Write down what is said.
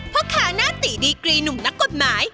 พ่อค้าหน้าตีดีกรีหนุ่มนักกฎหมาย